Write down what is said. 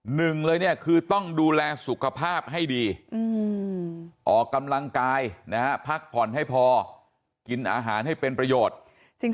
หนึ่งเลยเนี่ยคือต้องดูแลสุขภาพให้ดีออกกำลังกายนะฮะพักผ่อนให้พอกินอาหารให้เป็นประโยชน์